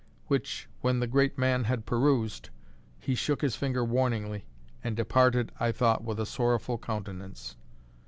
which, when the great man had perused, he shook his finger warningly and departed, I thought, with a sorrowful countenance.